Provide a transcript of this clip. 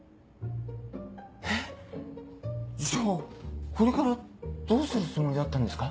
えっじゃあこれからどうするつもりだったんですか？